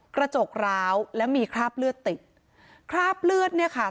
กร้าวแล้วมีคราบเลือดติดคราบเลือดเนี่ยค่ะ